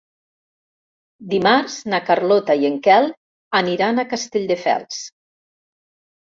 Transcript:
Dimarts na Carlota i en Quel aniran a Castelldefels.